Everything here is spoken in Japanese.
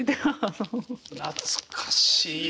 懐かしいね。